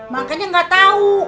makanya nggak tahu